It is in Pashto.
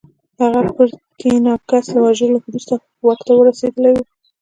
هغه پرتیناکس له وژلو وروسته واک ته رسېدلی و